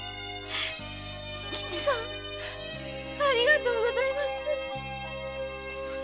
仁吉っつぁんありがとうございます。